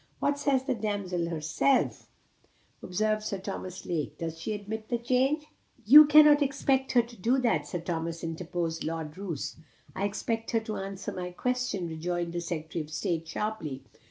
"What says the damsel herself," observed Sir Thomas Lake. "Does she admit the charge?" "You cannot expect her to do that, Sir Thomas," interposed Lord Roos. "I expect her to answer my question," rejoined the Secretary of State, sharply.